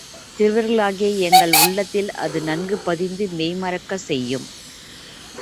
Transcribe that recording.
சிறுவர் களாகிய எங்கள் உள்ளத்தில் அது நன்கு பதிந்து மெய் மறக்கச் செய்யும்.